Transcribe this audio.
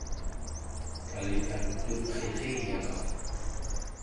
kalikanek yuvririyaraq